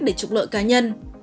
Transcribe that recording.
để trục lợi cá nhân